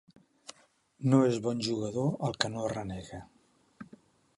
No és bon jugador el que no renega.